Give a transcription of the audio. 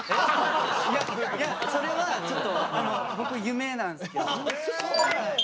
いやいやそれはちょっと僕夢なんですけど。